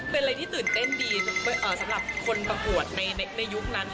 ไปได้ค่ะไปได้ไหมคะ